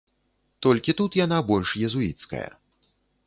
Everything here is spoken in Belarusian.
Толькі тут яна больш езуіцкая.